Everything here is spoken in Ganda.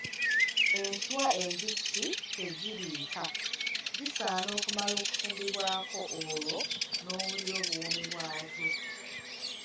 Enswa embisi teziriika, zisaana kumala kufumbibwako olwo n'owulira obuwoomi bwazo.